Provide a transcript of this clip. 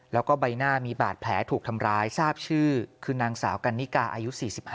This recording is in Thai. แล้วก็ใบหน้ามีบาดแผลถูกทำร้ายทราบชื่อคือนางสาวกันนิกาอายุ๔๕